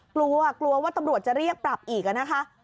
กลัวกลัวว่าตำรวจจะเรียกปรับอีกนะคะ